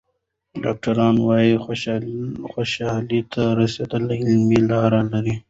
ډاکټران وايي خوشحالۍ ته رسېدل علمي لاره لري.